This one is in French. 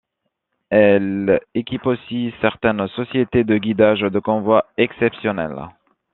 Elle équipe aussi certaines sociétés de guidage de convoi exceptionnel.